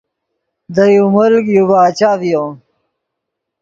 دے یو ملک یو باچہ ڤیو